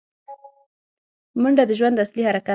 منډه د ژوند اصلي حرکت دی